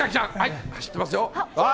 走ってますよ。